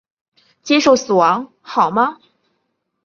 接受死亡好吗？